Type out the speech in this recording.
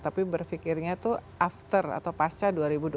tapi berfikirnya tuh after atau pasca dua ribu dua puluh